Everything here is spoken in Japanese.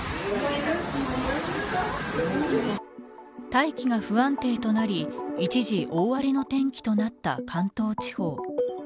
大気が不安定となり一時、大荒れの天気となった関東地方。